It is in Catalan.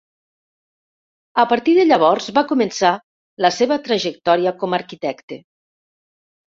A partir de llavors va començar la seva trajectòria com arquitecte.